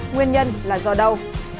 nguyên nhân là do đâu